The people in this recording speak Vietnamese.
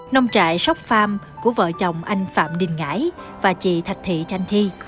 nông trại sóc farm của vợ chồng anh phạm đình ngãi và chị thạch thị chanh thi